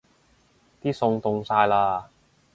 啲餸凍晒喇